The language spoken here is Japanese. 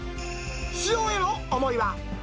出場への思いは。